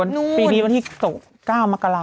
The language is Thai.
วันเด็กปีนี้วันที่ตก๙มกลา